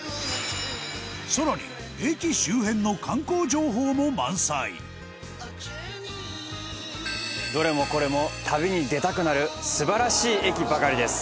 更に、駅周辺の観光情報も満載磯村：どれもこれも旅に出たくなる素晴らしい駅ばかりです。